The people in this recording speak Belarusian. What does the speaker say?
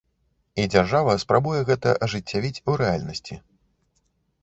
І дзяржава спрабуе гэта ажыццявіць у рэальнасці.